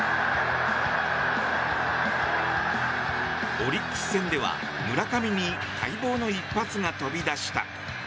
オリックス戦では村上に待望の一発が飛び出した。